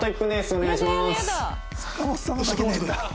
お願いします。